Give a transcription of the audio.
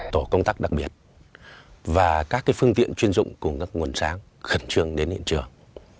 tổ công tác đặc biệt và các phương tiện chuyên dụng cùng các nguồn sáng khẩn trường đến hiện trường